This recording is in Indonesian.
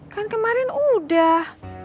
kan kemarin udah